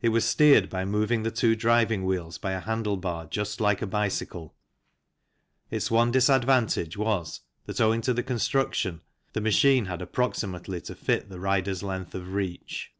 It was steered by moving the two driving wheels by a handlebar just like a bicycle. Its one disadvantage was that owing to the construction the machine had approximately to fit the rider's length of reach.